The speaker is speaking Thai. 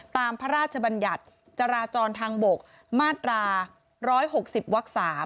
พระราชบัญญัติจราจรทางบกมาตรา๑๖๐วัก๓